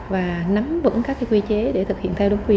và nắm vững các quy chế